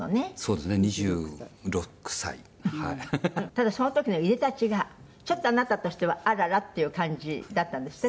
ただ、その時のいでたちがちょっと、あなたとしてはあららっていう感じだったんですって？